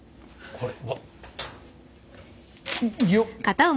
これ。